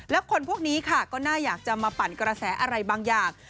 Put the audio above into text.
และคนพวกนี้ค่ะก็น่าอยากจะมาปั่นกระแสอะไรบางอย่าง